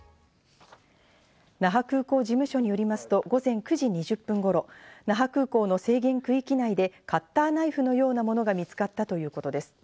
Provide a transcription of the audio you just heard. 那覇空港事務所によりますと午前９時２０分頃、那覇空港の制限区域内でカッターナイフのようなものが見つかったということです。